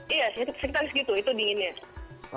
iya sekitar segitu itu dinginnya